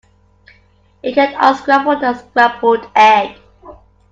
You can't unscramble a scrambled egg.